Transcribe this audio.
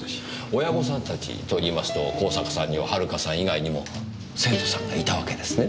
親御さんたちといいますと香坂さんには遥さん以外にも生徒さんがいたわけですね？